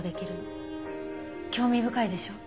興味深いでしょ。